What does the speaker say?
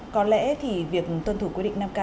có lẽ thì việc tuân thủ quy định năm k